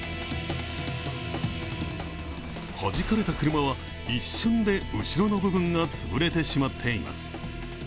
はじかれた車は一瞬で後ろの部分が潰れてしまっています。